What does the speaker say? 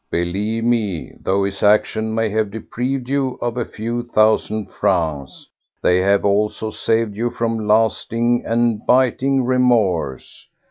Believe me, though his actions may have deprived you of a few thousand francs, they have also saved you from lasting and biting remorse.